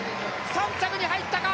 ３着に入ったか。